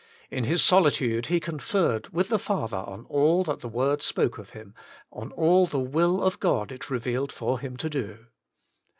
In His solitude He conferred with the Father on all that that Word spoke of Him, on all the will of God it revealed for Him to do.